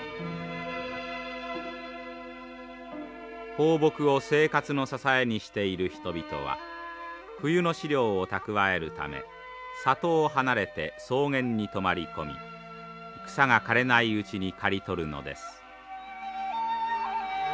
放牧を生活の支えにしている人々は冬の飼料を蓄えるため里を離れて草原に泊まり込み草が枯れないうちに刈り取るのです。